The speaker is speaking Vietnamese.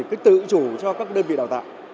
cái tự chủ cho các đơn vị đào tạo